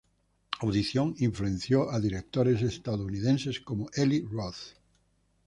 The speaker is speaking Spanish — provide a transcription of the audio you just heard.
Audición influenció a directores estadounidenses como Eli Roth.